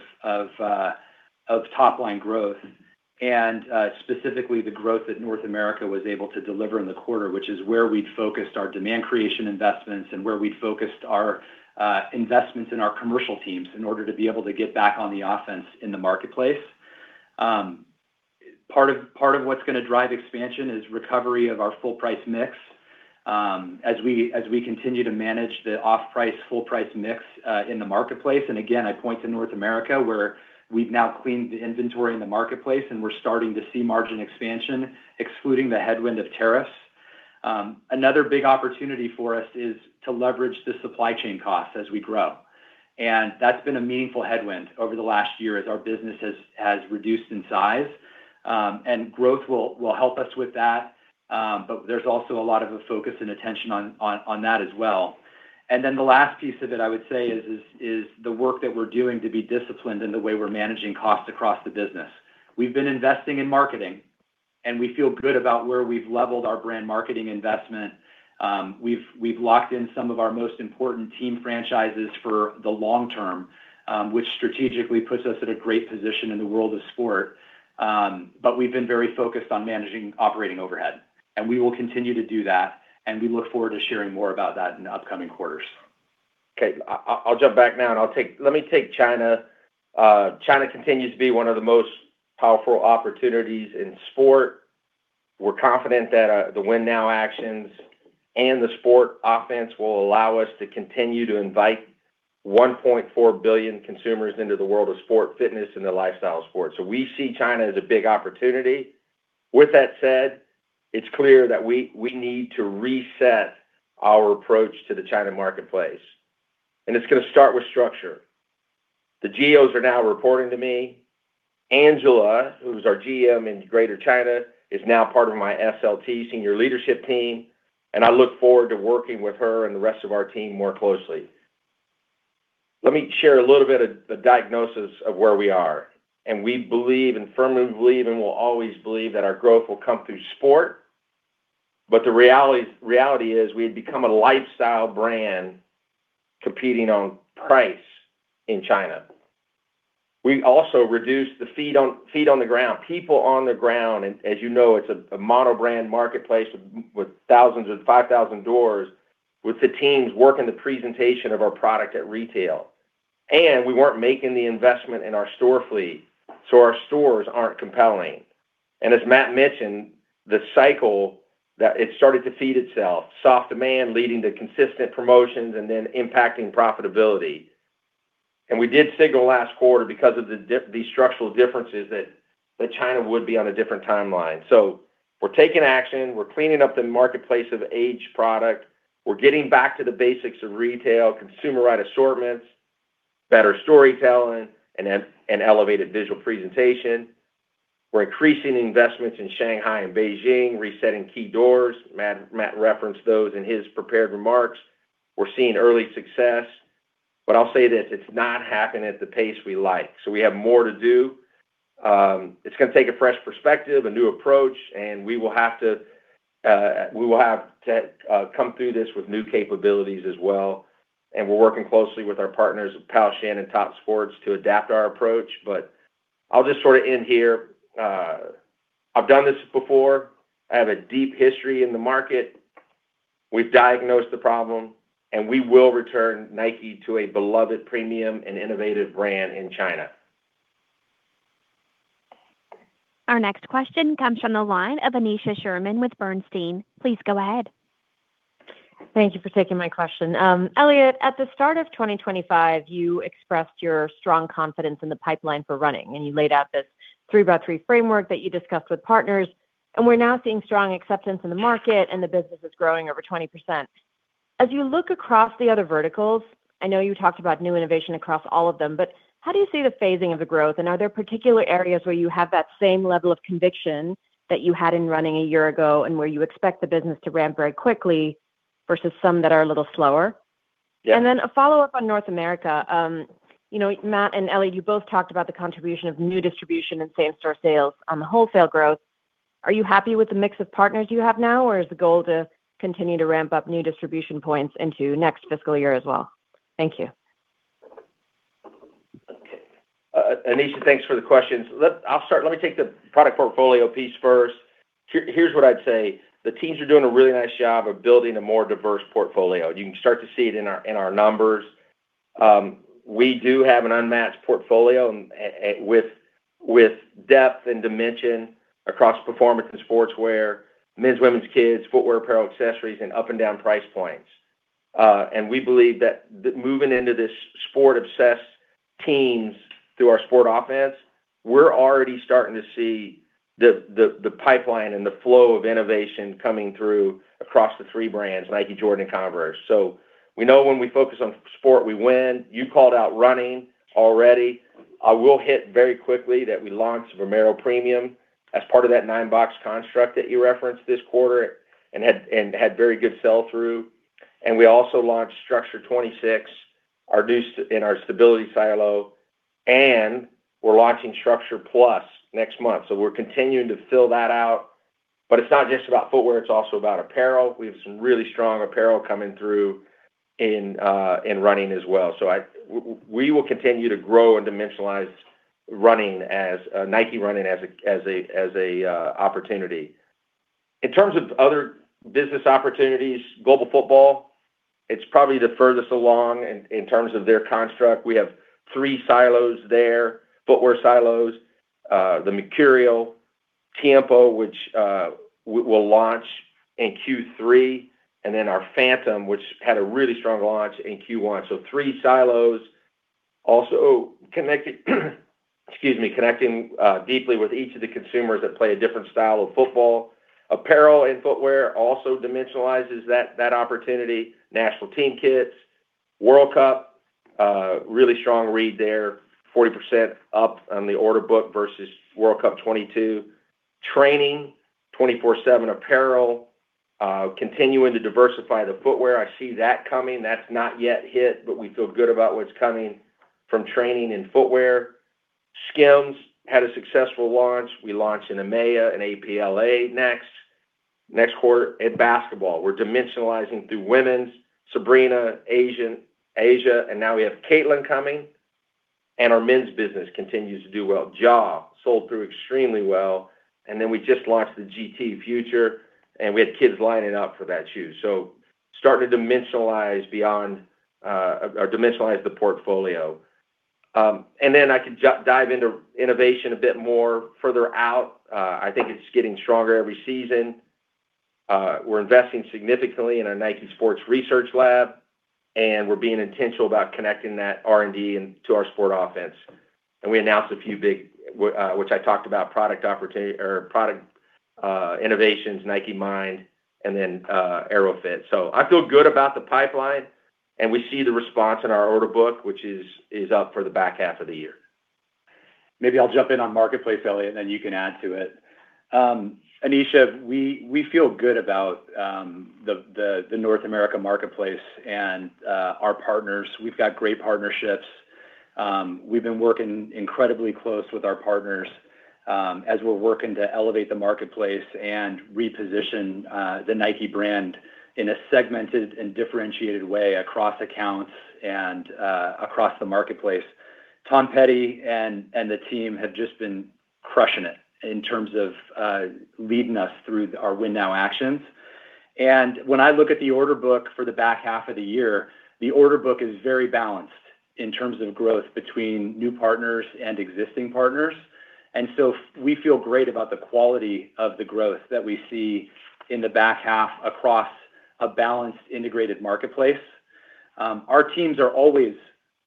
[SPEAKER 4] of top-line growth and specifically the growth that North America was able to deliver in the quarter, which is where we'd focused our demand creation investments and where we'd focused our investments in our commercial teams in order to be able to get back on the offense in the marketplace. Part of what's going to drive expansion is recovery of our full-price mix as we continue to manage the off-price, full-price mix in the marketplace. Again, I point to North America where we've now cleaned the inventory in the marketplace, and we're starting to see margin expansion, excluding the headwind of tariffs. Another big opportunity for us is to leverage the supply chain costs as we grow. That's been a meaningful headwind over the last year as our business has reduced in size. Growth will help us with that. There's also a lot of focus and attention on that as well. Then the last piece of it, I would say, is the work that we're doing to be disciplined in the way we're managing costs across the business. We've been investing in marketing, and we feel good about where we've leveled our brand marketing investment. We've locked in some of our most important team franchises for the long term, which strategically puts us at a great position in the world of sport, but we've been very focused on managing operating overhead, and we will continue to do that, and we look forward to sharing more about that in upcoming quarters.
[SPEAKER 3] Okay. I'll jump back now, and let me take China. China continues to be one of the most powerful opportunities in sport. We're confident that the win-now actions and the sport offense will allow us to continue to invite 1.4 billion consumers into the world of sport, fitness, and the lifestyle sport, so we see China as a big opportunity. With that said, it's clear that we need to reset our approach to the China marketplace, and it's going to start with structure. The geos are now reporting to me. Angela, who's our GM in Greater China, is now part of my SLT senior leadership team. And I look forward to working with her and the rest of our team more closely. Let me share a little bit of the diagnosis of where we are. And we firmly believe and will always believe that our growth will come through sport. But the reality is we had become a lifestyle brand competing on price in China. We also reduced the feet on the ground, people on the ground. And as you know, it's a monobrand marketplace with thousands or 5,000 doors with the teams working the presentation of our product at retail. And we weren't making the investment in our store fleet, so our stores aren't compelling. And as Matt mentioned, the cycle, it started to feed itself: soft demand leading to consistent promotions and then impacting profitability. And we did signal last quarter because of these structural differences that China would be on a different timeline. So we're taking action. We're cleaning up the marketplace of aged product. We're getting back to the basics of retail, consumer-right assortments, better storytelling, and elevated visual presentation. We're increasing investments in Shanghai and Beijing, resetting key doors. Matt referenced those in his prepared remarks. We're seeing early success. But I'll say this: it's not happening at the pace we like. So we have more to do. It's going to take a fresh perspective, a new approach, and we will have to come through this with new capabilities as well. And we're working closely with our partners of Pou Sheng and Top Sports to adapt our approach. But I'll just sort of end here. I've done this before. I have a deep history in the market. We've diagnosed the problem, and we will return Nike to a beloved, premium, and innovative brand in China.
[SPEAKER 1] Our next question comes from the line of Anisha Sherman with Bernstein. Please go ahead.
[SPEAKER 8] Thank you for taking my question. Elliott, at the start of 2025, you expressed your strong confidence in the pipeline for running, and you laid out this three-by-three framework that you discussed with partners. And we're now seeing strong acceptance in the market, and the business is growing over 20%. As you look across the other verticals, I know you talked about new innovation across all of them, but how do you see the phasing of the growth? And are there particular areas where you have that same level of conviction that you had in running a year ago and where you expect the business to ramp very quickly versus some that are a little slower? And then a follow-up on North America. Matt and Elliott, you both talked about the contribution of new distribution and same-store sales on the wholesale growth. Are you happy with the mix of partners you have now, or is the goal to continue to ramp up new distribution points into next fiscal year as well? Thank you.
[SPEAKER 3] Okay. Anisha, thanks for the questions. Let me take the product portfolio piece first. Here's what I'd say. The teams are doing a really nice job of building a more diverse portfolio. You can start to see it in our numbers. We do have an unmatched portfolio with depth and dimension across performance and sportswear, men's/women's/kids, footwear, apparel, accessories, and up-and-down price points. And we believe that moving into this sport-obsessed teams through our sport offense, we're already starting to see the pipeline and the flow of innovation coming through across the three brands: Nike, Jordan, and Converse. So we know when we focus on sport, we win. You called out running already. We'll hit very quickly that we launched Vomero Premium as part of that nine-box construct that you referenced this quarter and had very good sell-through. And we also launched Structure 26 in our stability silo, and we're launching Structure Plus next month. So we're continuing to fill that out. But it's not just about footwear. It's also about apparel. We have some really strong apparel coming through in running as well. So we will continue to grow and dimensionalize Nike running as an opportunity. In terms of other business opportunities, Global Football, it's probably the furthest along in terms of their construct. We have three silos there: footwear silos, the Mercurial, Tiempo, which we'll launch in Q3, and then our Phantom, which had a really strong launch in Q1. So three silos also connecting deeply with each of the consumers that play a different style of football. Apparel and footwear also dimensionalizes that opportunity. National team kits, World Cup, really strong read there, 40% up on the order book versus World Cup '22. Training, 24/7 apparel, continuing to diversify the footwear. I see that coming. That's not yet hit, but we feel good about what's coming from training and footwear. SKIMS had a successful launch. We launch in EMEA and APLA next quarter in Basketball. We're dimensionalizing through women's: Sabrina, A'ja, and now we have Caitlin coming. Our men's business continues to do well. Ja sold through extremely well. We just launched the GT Future, and we had kids lining up for that too. Starting to dimensionalize the portfolio. I could dive into innovation a bit more further out. I think it's getting stronger every season. We're investing significantly in our Nike Sport Research Lab, and we're being intentional about connecting that R&D to our Sport Offense. We announced a few big, which I talked about, product innovations, Nike Mind, and then AeroFit. I feel good about the pipeline, and we see the response in our order book, which is up for the back half of the year.
[SPEAKER 5] Maybe I'll jump in on marketplace, Elliott, and then you can add to it. Anisha, we feel good about the North America marketplace and our partners. We've got great partnerships.
[SPEAKER 4] We've been working incredibly close with our partners as we're working to elevate the marketplace and reposition the Nike brand in a segmented and differentiated way across accounts and across the marketplace. Tom Peddie and the team have just been crushing it in terms of leading us through our Win Now Actions, and when I look at the order book for the back half of the year, the order book is very balanced in terms of growth between new partners and existing partners, and so we feel great about the quality of the growth that we see in the back half across a balanced integrated marketplace. Our teams are always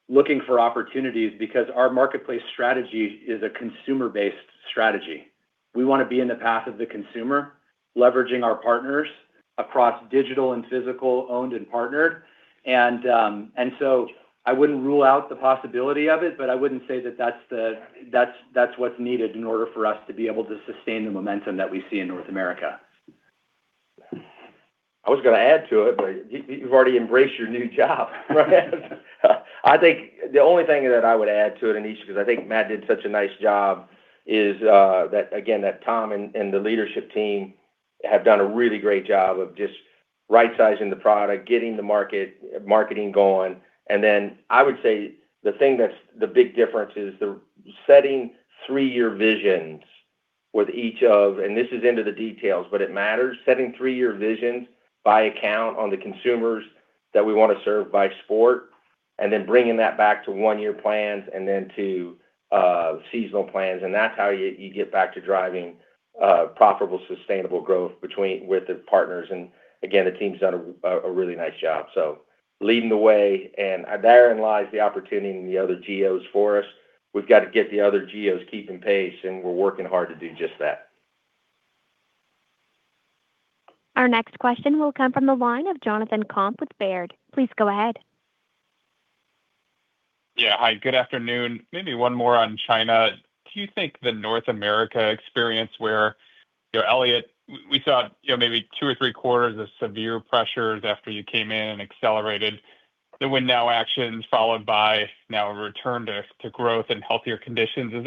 [SPEAKER 4] looking for opportunities because our marketplace strategy is a consumer-based strategy. We want to be in the path of the consumer, leveraging our partners across digital and physical, owned and partnered. So I wouldn't rule out the possibility of it, but I wouldn't say that that's what's needed in order for us to be able to sustain the momentum that we see in North America.
[SPEAKER 3] I was going to add to it, but you've already embraced your new job. I think the only thing that I would add to it, Anisha, because I think Matt did such a nice job, is that, again, that Tom and the leadership team have done a really great job of just right-sizing the product, getting the marketing going. And then I would say the thing that's the big difference is setting three-year visions with each of, and this is into the details, but it matters, setting three-year visions by account on the consumers that we want to serve by sport, and then bringing that back to one-year plans and then to seasonal plans. And that's how you get back to driving profitable, sustainable growth with the partners. And again, the team's done a really nice job. So leading the way, and therein lies the opportunity in the other geos for us. We've got to get the other geos keeping pace, and we're working hard to do just that.
[SPEAKER 1] Our next question will come from the line of Jonathan Komp with Baird. Please go ahead.
[SPEAKER 9] Yeah. Hi. Good afternoon. Maybe one more on China. Do you think the North America experience where, Elliott, we saw maybe two or three quarters of severe pressures after you came in and accelerated the Win Now Actions followed by now a return to growth and healthier conditions? Is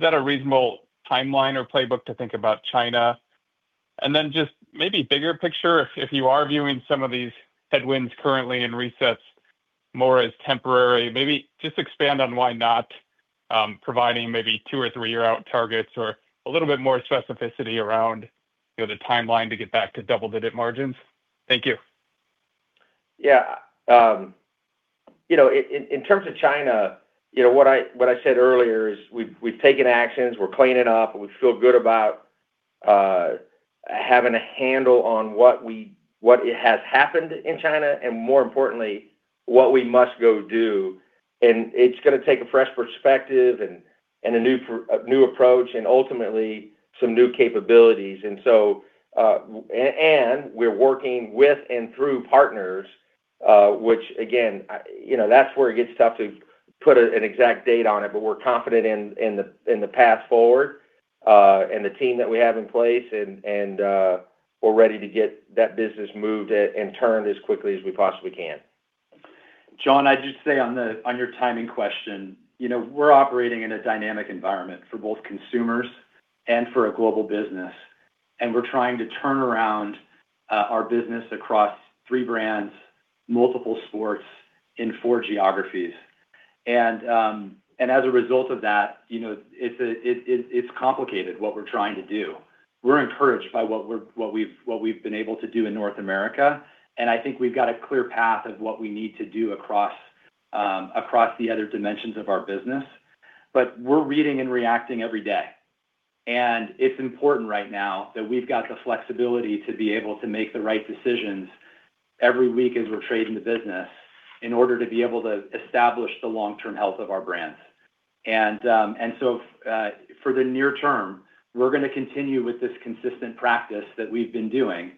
[SPEAKER 9] that a reasonable timeline or playbook to think about China?
[SPEAKER 4] And then, just maybe bigger picture, if you are viewing some of these headwinds currently and resets more as temporary, maybe just expand on why not providing maybe two- or three-year-out targets or a little bit more specificity around the timeline to get back to double-digit margins. Thank you.
[SPEAKER 3] Yeah. In terms of China, what I said earlier is we've taken actions. We're cleaning up. We feel good about having a handle on what has happened in China and, more importantly, what we must go do. And it's going to take a fresh perspective and a new approach and ultimately some new capabilities. And we're working with and through partners, which, again, that's where it gets tough to put an exact date on it, but we're confident in the path forward and the team that we have in place, and we're ready to get that business moved and turned as quickly as we possibly can.
[SPEAKER 4] John, I'd just say on your timing question, we're operating in a dynamic environment for both consumers and for a global business. And we're trying to turn around our business across three brands, multiple sports in four geographies. And as a result of that, it's complicated what we're trying to do. We're encouraged by what we've been able to do in North America. And I think we've got a clear path of what we need to do across the other dimensions of our business. But we're reading and reacting every day. And it's important right now that we've got the flexibility to be able to make the right decisions every week as we're trading the business in order to be able to establish the long-term health of our brands. And so for the near term, we're going to continue with this consistent practice that we've been doing.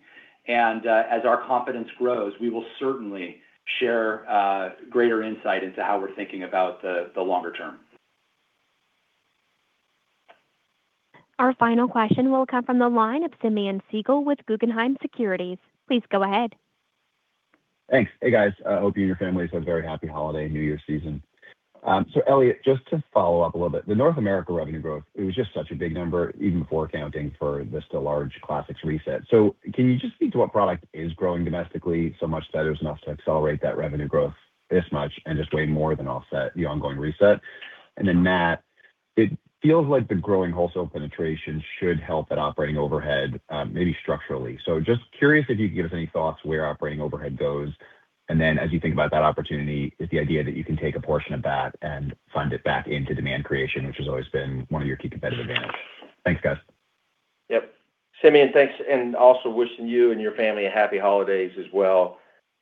[SPEAKER 4] And as our confidence grows, we will certainly share greater insight into how we're thinking about the longer term.
[SPEAKER 1] Our final question will come from the line of Simeon Siegel with Guggenheim Securities. Please go ahead.
[SPEAKER 10] Thanks. Hey, guys. I hope you and your families have a very happy holiday and New Year's season. So, Elliott, just to follow up a little bit, the North America revenue growth, it was just such a big number, even before accounting for the still large classics reset. So, can you just speak to what product is growing domestically so much that it was enough to accelerate that revenue growth this much and just way more than offset the ongoing reset? And then, Matt, it feels like the growing wholesale penetration should help that operating overhead, maybe structurally. So just curious if you could give us any thoughts where operating overhead goes. And then as you think about that opportunity, is the idea that you can take a portion of that and fund it back into demand creation, which has always been one of your key competitive advantages. Thanks, guys.
[SPEAKER 3] Yep. Simeon, thanks. And also wishing you and your family happy holidays as well.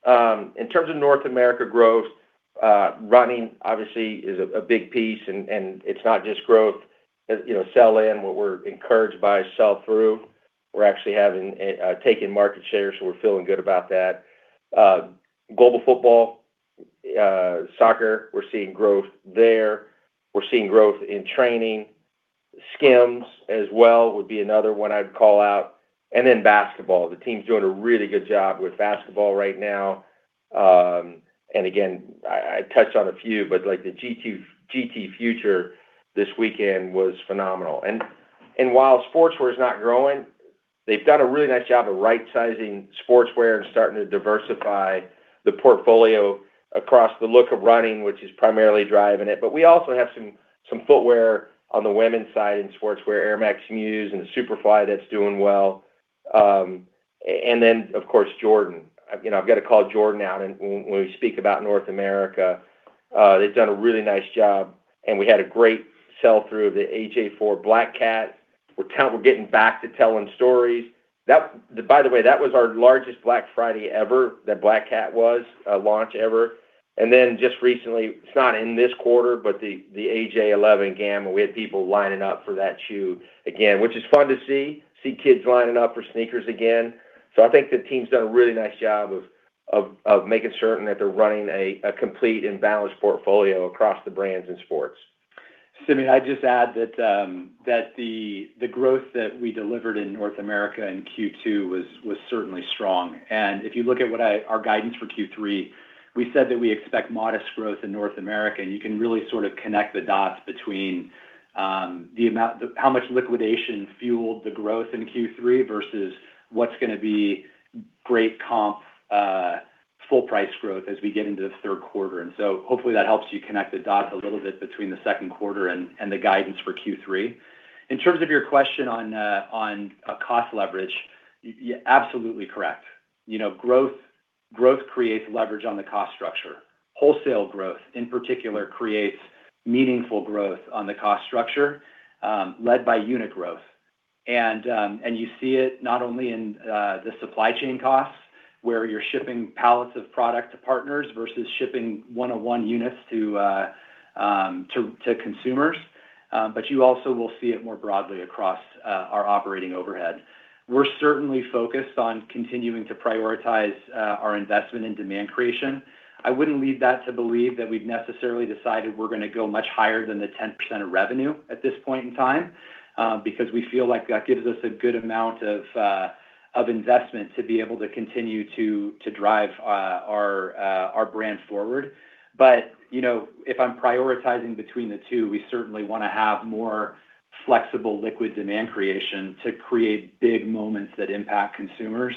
[SPEAKER 3] In terms of North America growth, running obviously is a big piece, and it's not just growth. Sell-in what we're encouraged by sell-through. We're actually taking market share, so we're feeling good about that. Global football, soccer, we're seeing growth there. We're seeing growth in training. Skims as well would be another one I'd call out. And then Basketball. The team's doing a really good job with Basketball right now. And again, I touched on a few, but the GT Future this weekend was phenomenal. And while sportswear is not growing, they've done a really nice job of right-sizing sportswear and starting to diversify the portfolio across the look of running, which is primarily driving it. But we also have some footwear on the women's side in sportswear, Air Max Muse and the Superfly that's doing well. And then, of course, Jordan. I've got to call Jordan out when we speak about North America. They've done a really nice job, and we had a great sell-through of the AJ4 Black Cat.
[SPEAKER 6] We're getting back to telling stories. By the way, that was our largest Black Friday ever, that Black Cat launch ever. And then just recently, it's not in this quarter, but the AJ11 Gamma. We had people lining up for that shoe again, which is fun to see. Seeing kids lining up for sneakers again. So I think the team's done a really nice job of making certain that they're running a complete and balanced portfolio across the brands and sports.
[SPEAKER 4] Simeon, I'd just add that the growth that we delivered in North America in Q2 was certainly strong. And if you look at our guidance for Q3, we said that we expect modest growth in North America. You can really sort of connect the dots between how much liquidation fueled the growth in Q3 versus what's going to be great comp full-price growth as we get into the third quarter. So hopefully that helps you connect the dots a little bit between the second quarter and the guidance for Q3. In terms of your question on cost leverage, you're absolutely correct. Growth creates leverage on the cost structure. Wholesale growth, in particular, creates meaningful growth on the cost structure led by unit growth. You see it not only in the supply chain costs where you're shipping pallets of product to partners versus shipping one-on-one units to consumers, but you also will see it more broadly across our operating overhead. We're certainly focused on continuing to prioritize our investment in demand creation. I wouldn't lead you to believe that we've necessarily decided we're going to go much higher than the 10% of revenue at this point in time because we feel like that gives us a good amount of investment to be able to continue to drive our brand forward. But if I'm prioritizing between the two, we certainly want to have more flexible liquid demand creation to create big moments that impact consumers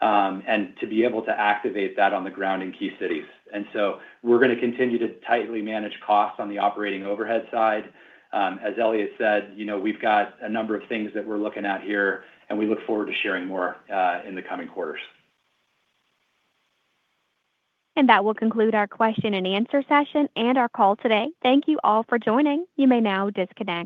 [SPEAKER 4] and to be able to activate that on the ground in key cities. And so we're going to continue to tightly manage costs on the operating overhead side. As Elliott said, we've got a number of things that we're looking at here, and we look forward to sharing more in the coming quarters. And that will conclude our question and answer session and our call today. Thank you all for joining. You may now disconnect.